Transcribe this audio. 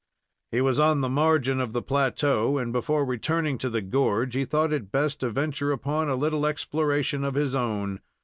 He was on the margin of the plateau, and before returning to the gorge he thought it best to venture upon a little exploration of his own.